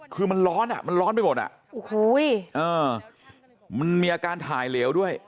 คือมันร้อนอ่ะมันร้อนไปหมดอ่ะโอ้โหมันมีอาการถ่ายเหลวด้วย